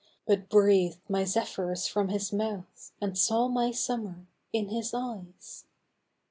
But breathed my zephyrs from his mouth, And saw my summer in his eyes